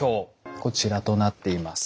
こちらとなっています。